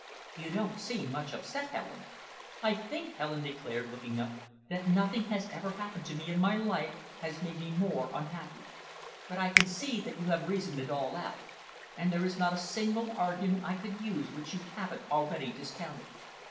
"You don't seem much upset, Helen!" "I think," Helen declared, looking up, "that nothing that has ever happened to me in my life has made me more unhappy, but I can see that you have reasoned it all out, and there is not a single argument I could use which you haven't already discounted.